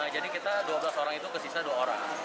jadi kita dua belas orang itu kesisa dua orang